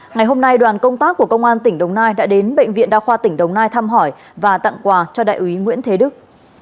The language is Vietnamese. ngày hôm nay đoàn công tác của công an tỉnh đồng nai đã đến bệnh viện đa khoa tỉnh đồng nai thăm hỏi và tặng quà cho đại úy nguyễn thế đức